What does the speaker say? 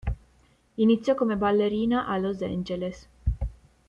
Iniziò come ballerina a Los Angeles.